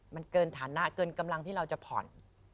มันเกินฐานะเกินกำลังที่เราจะผ่อน